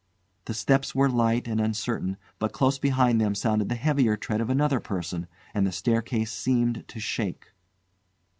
The steps were light and uncertain; but close behind them sounded the heavier tread of another person, and the staircase seemed to shake.